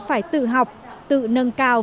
phải tự học tự nâng cao